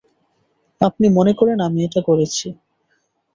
আপনি মনে করেন আমি এটা করেছি।